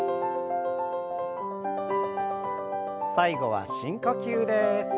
最後は深呼吸です。